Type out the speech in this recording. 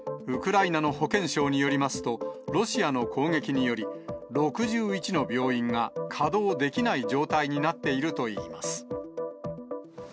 ウクライナの保健相によりますと、ロシアの攻撃により、６１の病院が稼働できない状態になっているといいます。